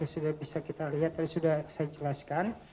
sudah bisa kita lihat tadi sudah saya jelaskan